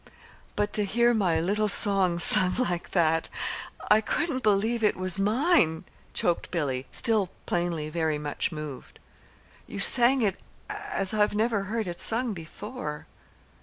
"But to hear my little song sung like that! I couldn't believe it was mine," choked Billy, still plainly very much moved. "You sang it as I've never heard it sung before."